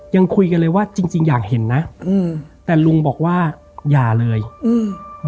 ยังคุยกันเลยว่าจริงจริงอยากเห็นนะอืมแต่ลุงบอกว่าอย่าเลยอืม